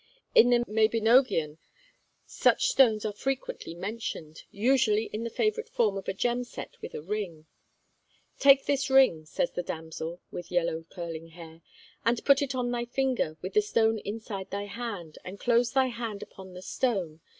In the 'Mabinogion' such stones are frequently mentioned, usually in the favourite form of a gem set within a ring. 'Take this ring,' says the damsel with yellow curling hair, 'and put it on thy finger, with the stone inside thy hand; and close thy hand upon the stone.